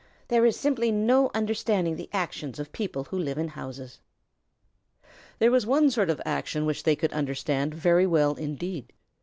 There is simply no understanding the actions of people who live in houses." There was one sort of action which they could understand very well indeed.